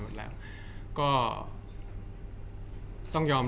จากความไม่เข้าจันทร์ของผู้ใหญ่ของพ่อกับแม่